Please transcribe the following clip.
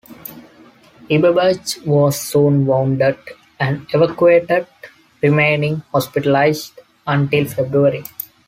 Eberbach was soon wounded and evacuated, remaining hospitalized until February.